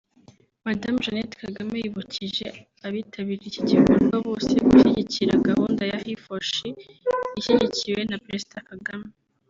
Madamu Jeannette Kagame yibukije abitabiriye iki gikorwa bose gushyigikira gahunda ya HeForShe ishyigikiwe na Perezida Kagame